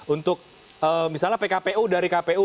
untuk misalnya pkpu dari kpu